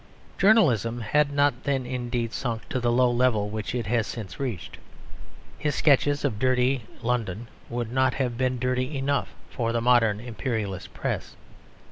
Journalism had not then, indeed, sunk to the low level which it has since reached. His sketches of dirty London would not have been dirty enough for the modern Imperialist press.